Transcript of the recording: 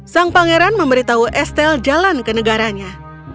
sang pangeran memberitahu estel jalan ke negaranya